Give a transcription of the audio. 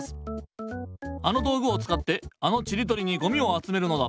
あのどうぐをつかってあのチリトリにゴミをあつめるのだ。